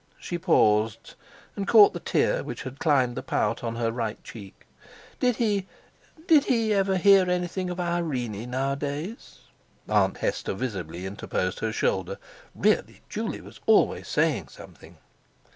She paused and caught the tear which had climbed the pout on her right cheek. Did he—did he ever hear anything of Irene nowadays? Aunt Hester visibly interposed her shoulder. Really, Juley was always saying something!